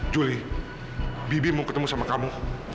juli bibi mau ketemu sama kamu